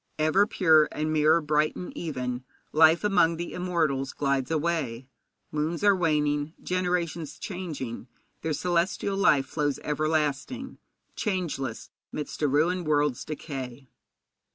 'Ever pure, and mirror bright and even, Life among the immortals glides away; Moons are waning, generations changing, Their celestial life flows everlasting, Changeless 'midst a ruined world's decay.'